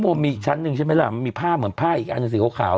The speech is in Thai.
โมมีชั้นหนึ่งใช่ไหมล่ะมันมีภาพเหมือนภาพอีกอันนึงสีขาวขาว